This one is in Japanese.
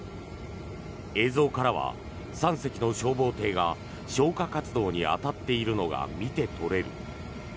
映像からは３隻の消防艇が消火活動に当たっているのが見て取れる。